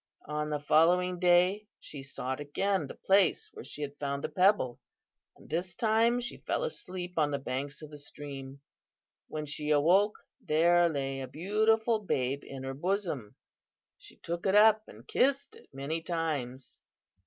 On the following day she sought again the place where she had found the pebble, and this time she fell asleep on the banks of the stream, When she awoke, there lay a beautiful babe in her bosom. "She took it up and kissed it many times.